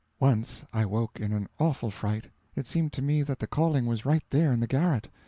Once I woke in an awful fright it seemed to me that the calling was right there in the garret!